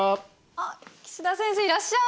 あっ岸田先生いらっしゃい！